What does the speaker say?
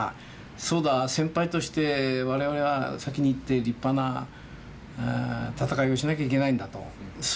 「そうだ先輩として我々は先に行って立派な戦いをしなきゃいけないんだ」とそういう気持ちになりましたよね。